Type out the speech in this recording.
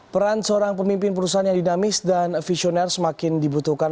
peran seorang pemimpin perusahaan yang dinamis dan visioner semakin dibutuhkan